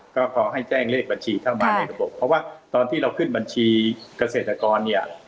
ก็พอให้แจ้งเลขบัญชีเข้ามาในระบบเพราะว่าตอนที่เราขึ้นบัญชีเกษตรกรเนี่ย